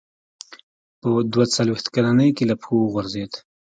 په دوه څلوېښت کلنۍ کې له پښو وغورځېد.